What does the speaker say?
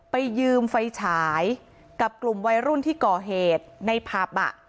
ไปยืมไฟฉายกับกลุ่มวัยรุ่นที่ก่อเหตุในผับ